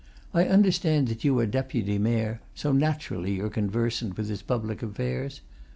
I understand that you are Deputy Mayor, so naturally you're conversant with his public affairs.